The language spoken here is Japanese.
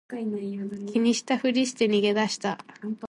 気にしたふりして逃げ出した